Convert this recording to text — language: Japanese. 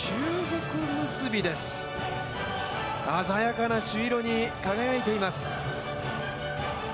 鮮やかな朱色に輝いています。